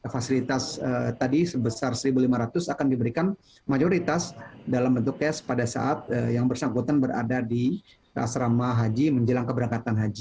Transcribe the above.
fasilitas tadi sebesar rp satu lima ratus akan diberikan mayoritas dalam bentuk cash pada saat yang bersangkutan berada di asrama haji menjelang keberangkatan haji